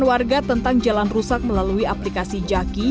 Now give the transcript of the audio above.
warga tentang jalan rusak melalui aplikasi jaki